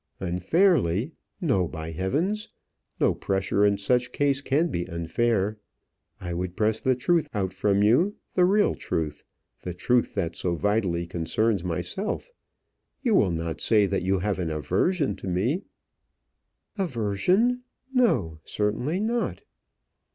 "Unfairly. No, by heavens! no pressure in such case can be unfair. I would press the truth out from you the real truth; the truth that so vitally concerns myself. You will not say that you have an aversion to me?" "Aversion! No, certainly not."